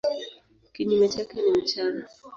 Kinyume chake ni mchana.